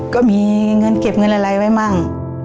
ก็มีเงินเก็บเงินอะไรไว้มั่ง